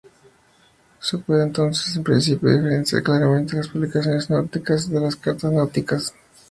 Se puede entonces, en principio, diferenciar claramente las "publicaciones náuticas" de las "cartas náuticas".